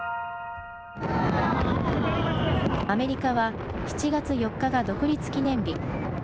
アメリカは、７月４日が独立記念日。